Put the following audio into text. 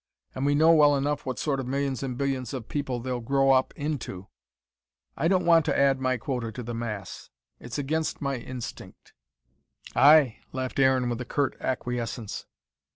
And we know well enough what sort of millions and billions of people they'll grow up into. I don't want to add my quota to the mass it's against my instinct " "Ay!" laughed Aaron, with a curt acquiescence.